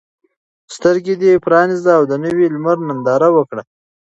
سترګې دې پرانیزه او د نوي لمر ننداره وکړه.